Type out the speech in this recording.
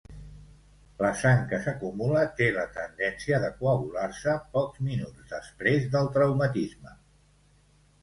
La sang que s'acumula té la tendència de coagular-se pocs minuts després del traumatisme.